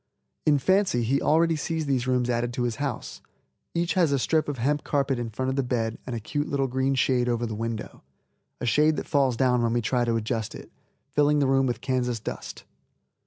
In fancy he already sees these rooms added to his house. Each has a strip of hemp carpet in front of the bed and a cute little green shade over the window, a shade that falls down when we try to adjust it, filling the room with Kansas dust.